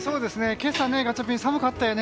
今朝、ガチャピン寒かったよね。